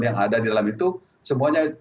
yang ada di dalam itu semuanya